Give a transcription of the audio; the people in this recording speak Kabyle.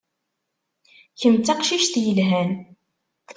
Kemm d taqcict yelhan.